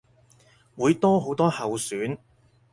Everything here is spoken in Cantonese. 會多好多候選